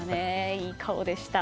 いい顔でした。